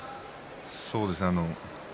そうですね。